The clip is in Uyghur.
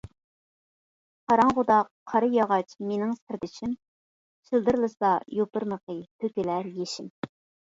قاراڭغۇدا قارىياغاچ مېنىڭ سىردىشىم، شىلدىرلىسا يوپۇرمىقى تۆكۈلەر يېشىم.